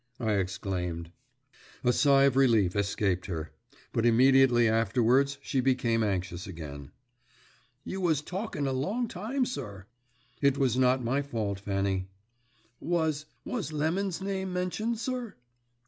I exclaimed. A sigh of relief escaped her, but immediately afterwards she became anxious again. "You was talking a long time, sir." "It was not my fault, Fanny." "Was was Lemon's name mentioned, sir?"